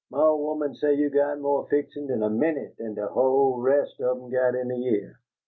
My ole woman say you got mo' fixin's in a minute dan de whole res' of 'em got in a yeah.